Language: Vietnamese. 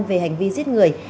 về hành vi giết người